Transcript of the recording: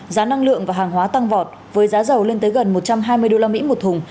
giá năng lượng và hàng hóa tăng vọt với giá dầu lên tới gần một trăm hai mươi usd một thùng